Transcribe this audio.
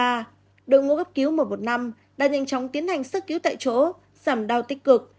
đội ngũ cấp cứu một trăm một mươi năm đã nhanh chóng tiến hành sức cứu tại chỗ giảm đau tích cực